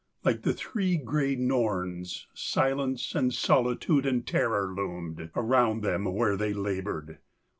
Like the three gray Norns, Silence and solitude and terror loomed Around them where they labored.